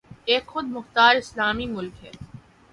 ایک خود مختار اسلامی ملک ہے